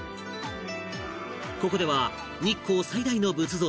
ここでは日光最大の仏像